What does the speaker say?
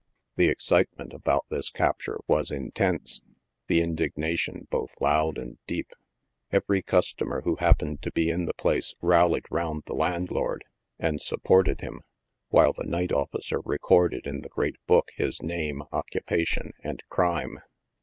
The excitement about this capture was in tense, the indignation both loud and deep. Every customer who happened to be in the place rallied round the landlord, and sup ported him, while the night officer recorded in the great book his name, occupation and crime.